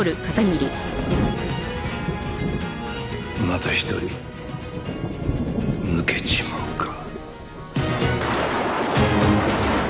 また一人抜けちまうか。